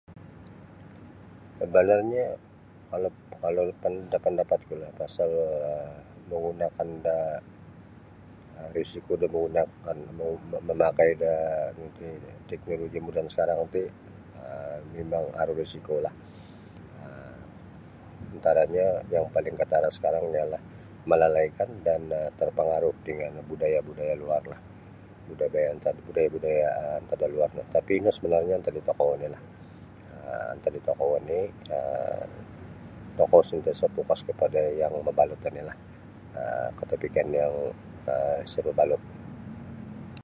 Sabanarnyo kalau kalau pan kalau da pandapatku pasal manggunakan da risiko da manggunakan mamakai da nu iti teknoloji moden sakarang ti um mimang aru risikolah um antaranyo yang paling katara' sakarang ialah malalaikan dan terpengaruh dengan budaya budaya luarlah budaya-budaya antad da luar no tapi' ino sabanarnyo antad da tokou onilah antad da tokou oni' um tokou santiasa' fokus kapada yang mabalut oni'lah um ketepikan yang um isa' mabalut.